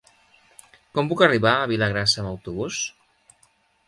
Com puc arribar a Vilagrassa amb autobús?